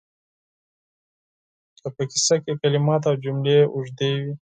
که په کیسه کې کلمات او جملې اوږدې وي